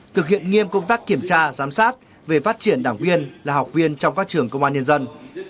thực hiện nghiêm công tác kiểm tra giám sát về phát triển đảng viên là học viên trong các trường công an nhân dân